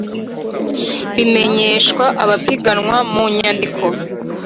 bimenyeshwa abapiganwa mu nyandiko